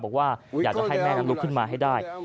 บอกว่าอยากจะให้แม่นั้นลุกขึ้นมาให้ได้